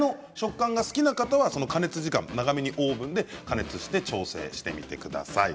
かための食感が好きな方は加熱時間が長めにオーブンで加熱して調整してみてください。